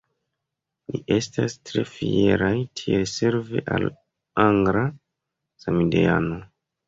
Ni estas tre fieraj tiel servi al angla samideano.